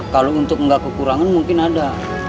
kalau untuk nggak kekurangan mungkin ada